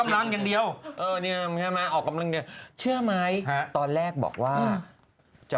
แล้วครับส่วนอีกหนึ่งราศีอันนี้ก็จะ